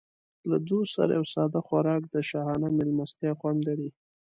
له دوست سره یو ساده خوراک د شاهانه مېلمستیا خوند لري.